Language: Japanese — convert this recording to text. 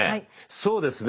そうですね